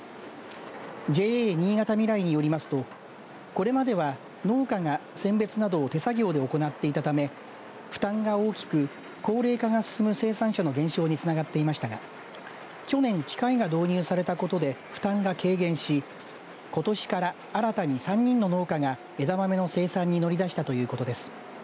ＪＡ新潟みらいによりますとこれまでは、農家が選別などを手作業で行っていたため負担が大きく高齢化が進む生産者の減少につながっていましたが去年、機械が導入されたことで負担が軽減しことしから新たに３人の農家が枝豆の生産に乗り出したということです。